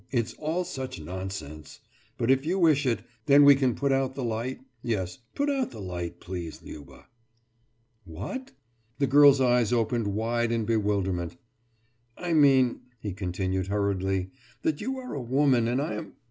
... It's all such nonsense! But, if you wish it, then we can put out the light? Yes, put out the light, please, Liuba.« »What?« The girl's eyes opened wide in bewilderment. »I mean,« he continued hurriedly, »that you are a woman and I am